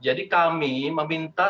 jadi kami meminta